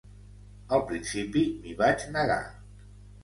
Al principi m’hi vaig negar.